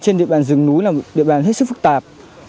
trên địa bàn rừng núi là một địa bàn hết sức phức tạp